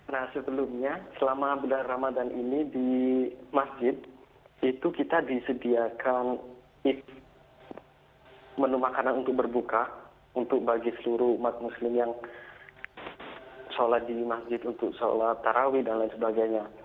nah sebelumnya selama bulan ramadan ini di masjid itu kita disediakan menu makanan untuk berbuka untuk bagi seluruh umat muslim yang sholat di masjid untuk sholat tarawih dan lain sebagainya